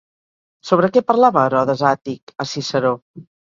Sobre què parlava Herodes Àtic a Ciceró?